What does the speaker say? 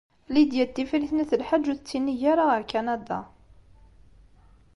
Lidya n Tifrit n At Lḥaǧ ur tettinig ara ɣer Kanada.